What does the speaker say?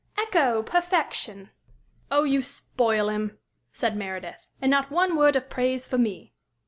Ecco! Perfection!" "Oh, you spoil him," said Meredith, "And not one word of praise for me!"